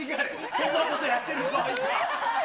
そんなことやってる場合か。